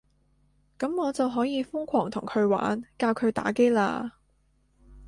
噉我就可以瘋狂同佢玩，教佢打機喇